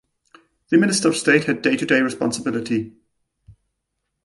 The Minister of State had day-to-day responsibility.